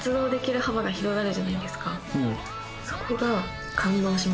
そこが。